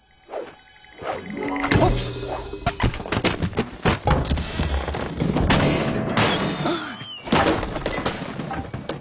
あっ！